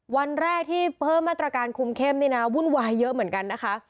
วันแรกที่เพิ่มมาตรการคุมเข้มนี่นะวุ่นวายเยอะเหมือนกันนะคะ